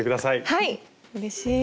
はい！